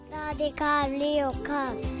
สวัสดีครับริวครับ